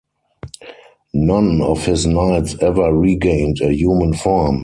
None of his knights ever regained a human form.